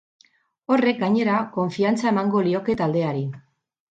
Horrek gainera konfiantza emango lioke taldeari.